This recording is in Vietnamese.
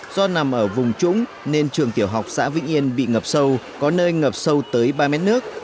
do nằm ở vùng trũng nên trường tiểu học xã vĩnh yên bị ngập sâu có nơi ngập sâu tới ba mét nước